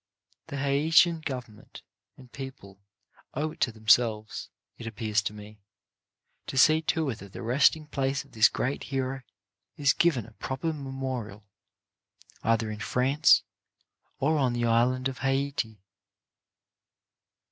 The Haitian Government and people owe it to them selves, it appears to me, to see to it that the rest ing place of this great hero is given a proper memorial, either in France or on the island of Haiti.